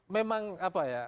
memang apa ya